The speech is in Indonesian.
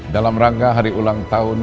dalam rangka hari ulang tahun